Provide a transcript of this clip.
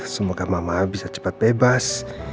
semoga mama bisa cepat bebas